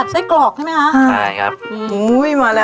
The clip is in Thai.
ใส่กรอกใช่มั้ยคะ